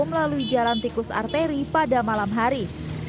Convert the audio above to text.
melalui jalan tikus arteri pada malam hari